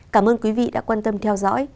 cảm ơn quý vị đã quan tâm theo dõi